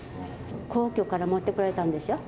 皇居から持ってこられたんでしょ。